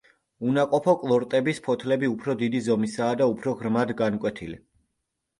უნაყოფო ყლორტების ფოთლები უფრო დიდი ზომისაა და უფრო ღრმად განკვეთილი.